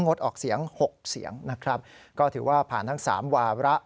งดออกเสียงหกเสียงนะครับก็ถือว่าผ่านทั้งสามวาระ